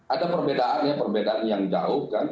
ada perbedaannya perbedaan yang jauh kan